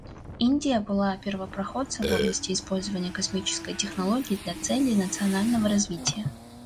Индия была первопроходцем в области использования космической технологии для целей национального развития.